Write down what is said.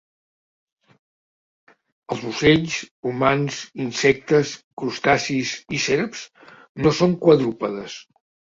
Els ocells, humans, insectes, crustacis, i serps no són quadrúpedes.